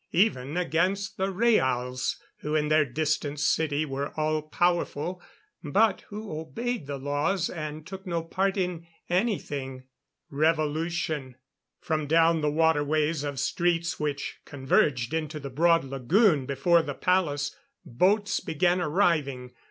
Even against the Rhaals, who in their distant city were all powerful, but who obeyed the laws and took no part in anything. Revolution! From down the waterways of streets which converged into the broad lagoon before the palace, boats began arriving.